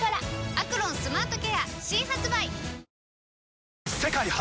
「アクロンスマートケア」新発売！世界初！